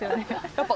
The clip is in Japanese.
やっぱ。